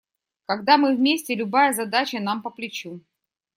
Когда мы вместе, любая задача нам по плечу.